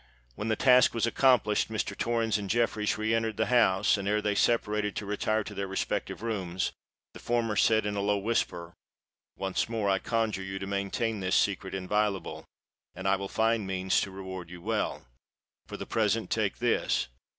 When the task was accomplished, Mr. Torrens and Jeffreys re entered the house; and, ere they separated to retire to their respective rooms, the former said, in a low whisper, "Once more I conjure you to maintain this secret inviolable, and I will find means to reward you well. For the present take this!"